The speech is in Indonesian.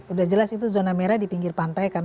udah jelas itu zona merah di pinggir pantai kan